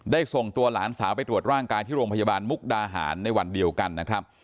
ส่งตัวหลานสาวไปตรวจร่างกายที่โรงพยาบาลมุกดาหารในวันเดียวกันนะครับ